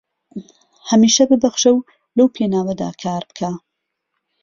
هەمیشە ببەخشە و لەو پێناوەدا کار بکە